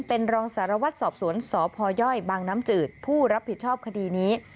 เป็นรองสารวัตรสอบสวนสพยบางน้ำจืดผู้รับผิดชอบคดีนี้